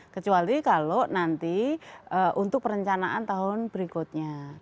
kecuali kalau nanti untuk perencanaan tahun berikutnya